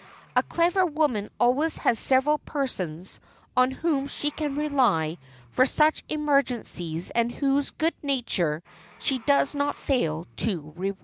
A clever woman always has several persons on whom she can rely for such emergencies and whose good nature she does not fail to reward.